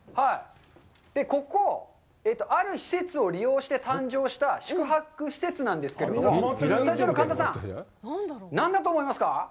ここ、ある施設を利用して誕生した宿泊施設なんですけれども、スタジオの神田さん、何だと思いますか？